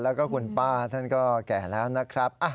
แล้วก็คุณป้าท่านก็แก่แล้วนะครับ